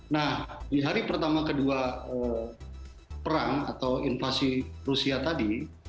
nah di hari pertama kedua perang atau invasi rusia tadi